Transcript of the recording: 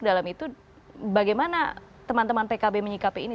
dalam itu bagaimana teman teman pkb menyikapi ini